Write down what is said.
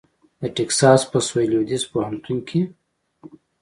د ټیکساس په سوېل لوېدیځ پوهنتون کې